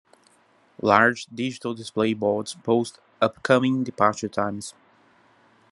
Large digital display boards post upcoming departure times.